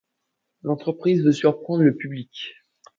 L’entreprise veut surprendre le public.